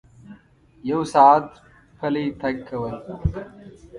یو ساعت پلی تګ کول